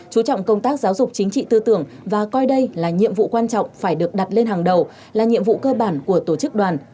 chú trọng công tác giáo dục chính trị tư tưởng và coi đây là nhiệm vụ quan trọng phải được đặt lên hàng đầu là nhiệm vụ cơ bản của tổ chức đoàn